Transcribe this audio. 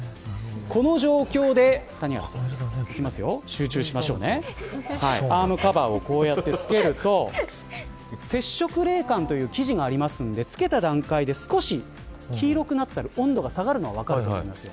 この状況でアームカバーを着けると接触冷感という生地がありますのでつけた段階で、少し黄色くなって温度が下がるのが分かると思います。